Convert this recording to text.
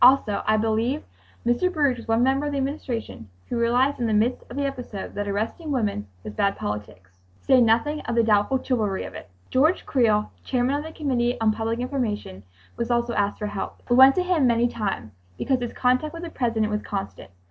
Also I believe Mr. Baruch was one member of the Administration who realized in the midst of the episode that arresting women was bad politics, to say nothing of the doubtful chivalry of it. George Creel, chairman of the Committee on Public Information, was also asked for help. We went to him many times, because his contact with the President was constant.